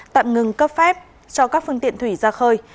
tạm ngừng cấp phép cho các phương tiện thủy ra khơi